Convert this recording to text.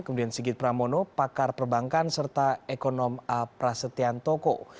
kemudian sigit pramono pakar perbankan serta ekonom a prasetyantoko